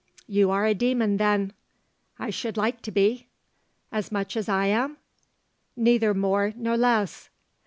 'You are a demon then!' 'I should like to be.' 'As much as I am?' 'Neither more nor less.'